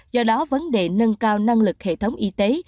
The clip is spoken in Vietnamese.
do đó vấn đề nâng cao năng lực hệ thống y tế